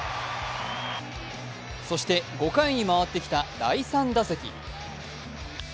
そして５回に回ってきた第３打席。